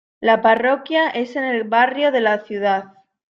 La parroquia es en el barrio de en la Ciudad.